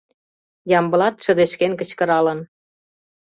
— Ямблат шыдешкен кычкыралын.